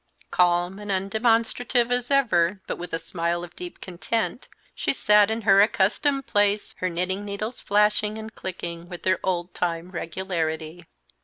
Calm and undemonstrative as ever, but with a smile of deep content, she sat in her accustomed place, her knitting needles flashing and clicking with their old time regularity.